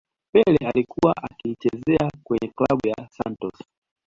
pele alikuwa akiichezea kwenye klabu ya santos